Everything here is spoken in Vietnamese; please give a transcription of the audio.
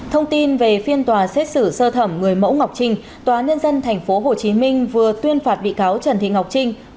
thông tin về phiên tòa xét xử sơ thẩm người mẫu ngọc trinh tòa nhân dân tp hcm vừa tuyên phạt bị cáo trần thị ngọc trinh